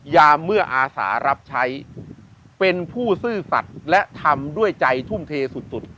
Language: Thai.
ยามเมื่ออาสารับใช้เป็นผู้ซื่อสัตว์และทำด้วยใจทุ่มเทสุด